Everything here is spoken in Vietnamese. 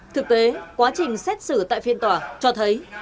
thực tế quá trình xét xử tại phiên tòa cho thấy